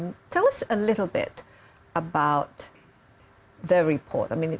beritahu kami sedikit sedikit tentang laporan itu